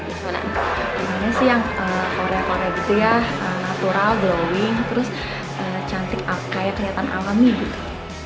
gimana sih yang korea korea gitu ya natural glowing terus cantik kayak kelihatan alami gitu